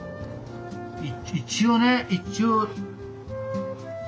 一応ね一応。